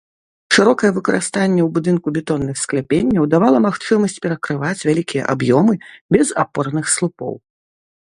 Шырокае выкарыстанне ў будынку бетонных скляпенняў давала магчымасць перакрываць вялікія аб'ёмы без апорных слупоў.